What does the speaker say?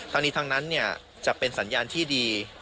ทั้งนี้ทั้งนั้นจะเป็นสัญญาณที่ดี